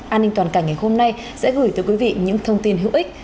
an ninh toàn cảnh ngày hôm nay sẽ gửi tới quý vị những thông tin hữu ích